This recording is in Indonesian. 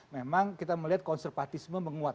memang kita melihat konservatisme menguat